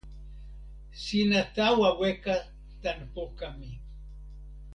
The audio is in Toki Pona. sina tawa weka tan poka mi.